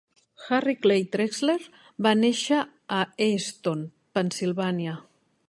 Harry Clay Trexler va néixer a Easton, Pennsilvània.